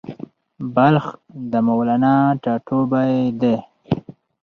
بلخ د مولانا ټاټوبی دی